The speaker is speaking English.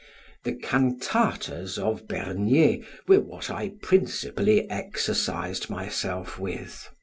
The cantatas of Bernier were what I principally exercised myself with.